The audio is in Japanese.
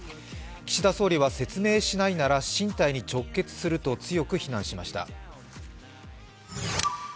岸田総理は説明しないなら進退に直結すると強く非難しました。